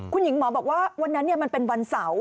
คุณหญิงหมอบอกว่าวันนั้นมันเป็นวันเสาร์